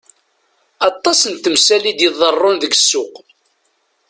Aṭas n temsal i d-iḍerrun deg ssuq.